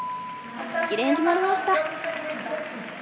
きれいに決まりました。